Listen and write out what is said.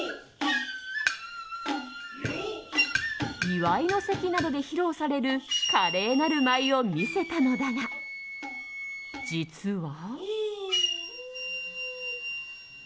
祝いの席などで披露される華麗なる舞を見せたのだが実は。